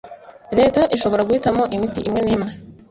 leta ishobora guhitamo imiti imwe n'imwe